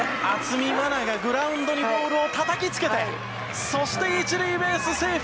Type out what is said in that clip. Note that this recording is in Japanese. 渥美万奈がグラウンドにボールをたたきつけてそして１塁ベース、セーフ！